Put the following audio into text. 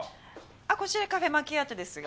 あっこちらカフェ・マキアートですが。